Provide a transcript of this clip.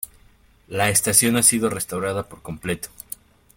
La estación ha sido restaurada por completo.